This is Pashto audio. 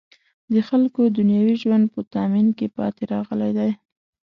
د خلکو دنیوي ژوند په تأمین کې پاتې راغلی دی.